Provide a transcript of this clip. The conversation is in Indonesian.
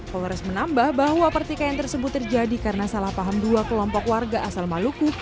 polres menambah bahwa pertikaian tersebut terjadi karena salah paham dua kelompok warga asal maluku